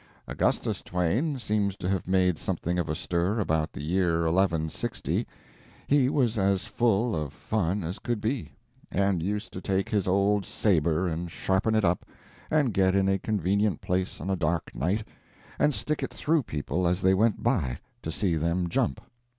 Augustus Twain, seems to have made something of a stir about the year 1160. He was as full of fun as he could be, and used to take his old sabre and sharpen it up, and get in a convenient place on a dark night, and stick it through people as they went by, to see them jump.